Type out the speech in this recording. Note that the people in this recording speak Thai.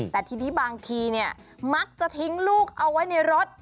แต่ทีนี้บางทีมักจะทิ้งลูกเอาไว้ในรถ